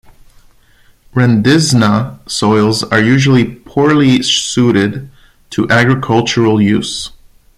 Rendzina soils are usually poorly suited to agricultural use.